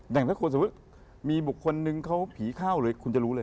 อย่างถ้าคนสมมุติมีบุคคลนึงเขาผีเข้าเลยคุณจะรู้เลย